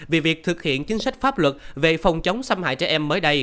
về việc thực hiện chính sách pháp luật về phòng chống xâm hại trẻ em mới đây